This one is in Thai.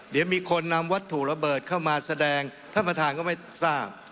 เดี๋ยวมีคนนำวัตถุระเบิดเข้ามาแสดงท่านประธานก็ไม่ทราบ